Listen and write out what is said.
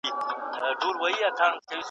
ته به مي سلګۍ سلګۍ کفن په اوښکو وګنډې .